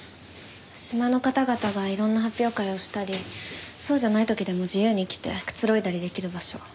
島の方々がいろんな発表会をしたりそうじゃない時でも自由に来てくつろいだりできる場所。